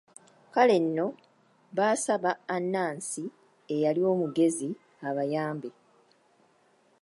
Kale nno baasaba Anansi eyali omugezi abayambe.